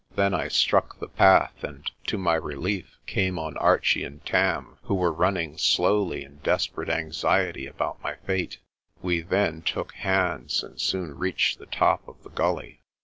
Then I struck the path and, to my relief, came on Archie and Tarn, who were running slowly in desperate anxiety about my fate. We then took hands and soon reached the top of the gully.